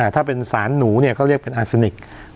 ถ้าเป็นสารหนูก็เรียกเป็นอาซินิก